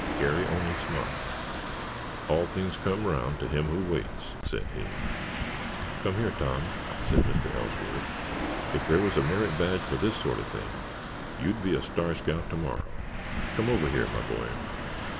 Garry only smiled. "All things come round to him who waits," said he. "Come here, Tom," said Mr. Ellsworth. "If there was a merit badge for this sort of thing you'd be a star scout tomorrow. Come over here, my boy."